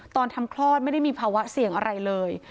ตอนทำคลอดไม่ได้มีภาวะเสี่ยงอะไรเลย